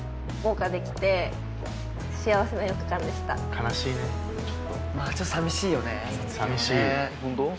・悲しいねちょっと・・ちょっと寂しいよね・・寂しい・・ホント？